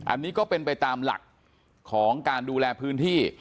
อันนี้ก็เป็นไปตามหลักของการดูแลพื้นที่